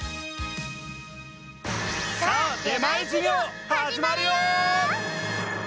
さあ出前授業はじまるよ！